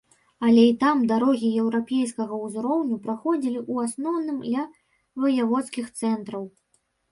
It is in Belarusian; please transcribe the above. Але і там дарогі еўрапейскага ўзроўню праходзілі ў асноўным ля ваяводскіх цэнтраў.